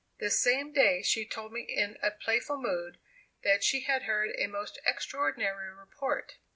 The same day she told me in a playful mood, that she had heard a most extraordinary report.